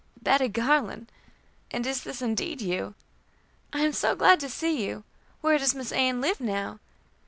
"Bettie Garland! And is this indeed you? I am so glad to see you. Where does Miss Ann[e] live now?"